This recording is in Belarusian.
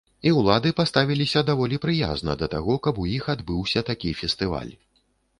І ўлады паставіліся даволі прыязна да таго, каб у іх адбыўся такі фестываль.